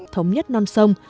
thống nhất non sông